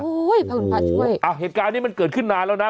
พระคุณพระช่วยอ่ะเหตุการณ์นี้มันเกิดขึ้นนานแล้วนะ